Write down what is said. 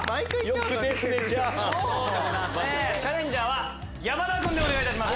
チャレンジャーは山田君でお願いいたします。